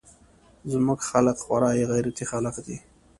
زموږ خلق خورا غيرتي خلق دي.